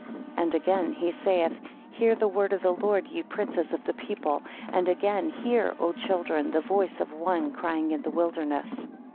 5 And again, he saith, Hear the word of the Lord, ye princes of the people. And again, Hear O children! The voice of one crying in the wilderness.